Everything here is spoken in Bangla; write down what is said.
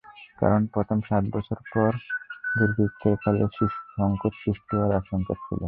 কারণ, প্রথম সাত বছর পর দুর্ভিক্ষের কালে সংকট সৃষ্টি হওয়ার আশংকা ছিল।